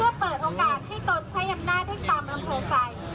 เพื่อเปิดโอกาสให้ตนใช้อำนาจให้ตามอำนาจโภคศัย